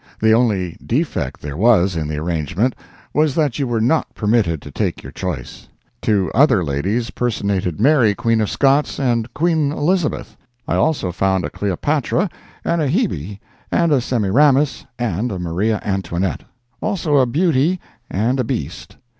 The only defect there was in the arrangement was that you were not permitted to take your choice. Two other ladies personated Mary, Queen of Scots, and Queen Elizabeth; I also found a Cleopatra and a Hebe and a Semiramis and a Maria Antoinette; also a Beauty and the Beast.